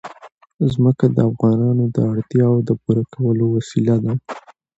ځمکه د افغانانو د اړتیاوو د پوره کولو وسیله ده.